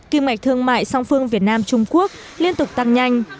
kỳ mạch thương mại song phương việt nam trung quốc liên tục tăng nhanh